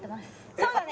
そうだね。